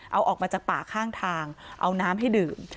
เอาออกมาจากป่าข้างทางเอาน้ำให้ดื่ม